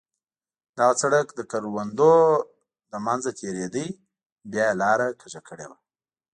دغه سړک د کروندو له منځه تېرېده، بیا یې لاره کږه کړې وه.